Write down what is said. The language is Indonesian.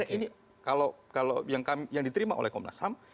ini kalau kalau yang kami yang diterima oleh komnas ham